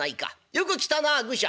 よく来たな愚者。